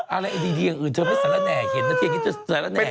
อะไรดีอย่างอื่นจะไม่สารแหน่งเห็นนะอย่างนี้จะสารแหน่งเห็น